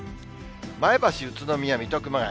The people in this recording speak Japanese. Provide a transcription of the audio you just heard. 前橋、宇都宮、水戸、熊谷。